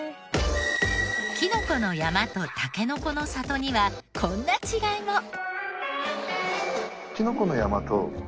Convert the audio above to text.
きのこの山とたけのこの里にはこんな違いも。